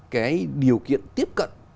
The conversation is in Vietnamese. cái điều kiện tiếp cận